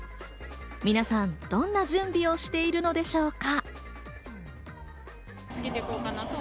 皆さん、どんな準備をしているのでしょうか？